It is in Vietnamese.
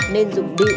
nên dùng đi